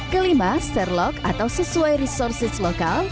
kelima serlok atau sesuai resources lokal